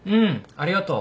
ありがとう。